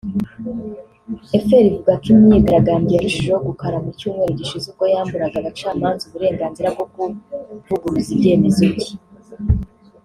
fr ivuga ko imyigaragambyo yarushijeho gukara mu cyumweru gishize ubwo yamburaga abacamanza uburenganzira bwo kuvuguruza ibyemezo bye